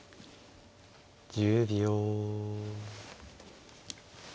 １０秒。